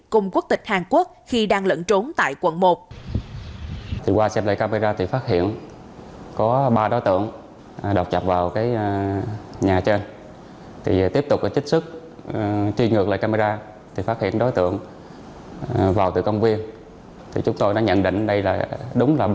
cùng quốc tịch hàn quốc khi đang lẫn trốn tại quận một